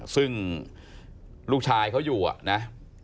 ซึ่งลูกชายเขาอยู่นะ